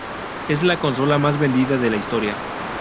Es la consola más vendida de la historia.